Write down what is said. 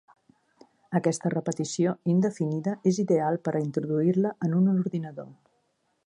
Aquesta repetició indefinida és ideal per a introduir-la en un ordinador.